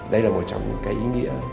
đây là một trong những ý nghĩa